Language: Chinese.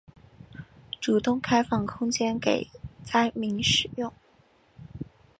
主动开放空间给灾民使用